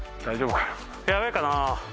大丈夫かな？